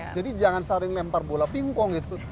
jadi jangan sering mempar bola pingkong gitu